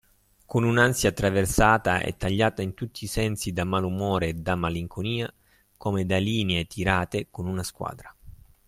con un ansia attraversata e tagliata in tutti i sensi da malumore e da malinconia, come da linee tirate con una squadra.